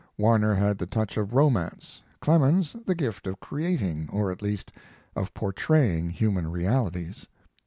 Warner had the touch of romance, Clemens, the gift of creating, or at least of portraying, human realities.